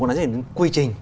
có nói về quy trình